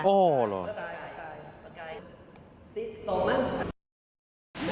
โอ้โหหรอ